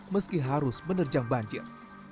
meski harus menerjang banjir